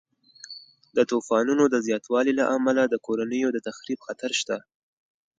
د طوفانونو د زیاتوالي له امله د کورنیو د تخریب خطر شته.